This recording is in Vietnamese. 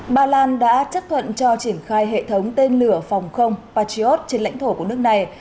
ba lan đã chấp thuận cho triển khai hệ thống tên lửa phòng không patriot trên lãnh thổ của nước này